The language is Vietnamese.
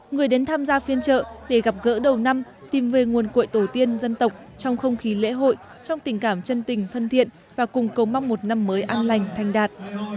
người đến tham gia phiên trợ để gặp gỡ đầu năm tìm về nguồn cội tổ tiên dân tộc trong không khí lễ hội trong tình cảm chân tình thân thiện và cùng cầu mong một năm mới an lành thanh đạt